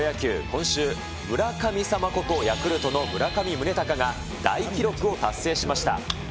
今週、村神様ことヤクルトの村上宗隆が大記録を達成しました。